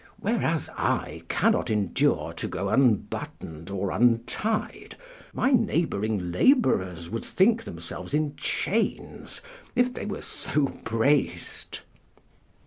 Whereas I cannot endure to go unbuttoned or untied; my neighbouring labourers would think themselves in chains, if they were so braced.